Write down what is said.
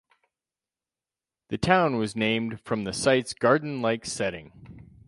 The town was named from the site's garden-like setting.